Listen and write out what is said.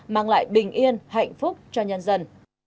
mang lại bình yên hạnh phúc cho nhân dân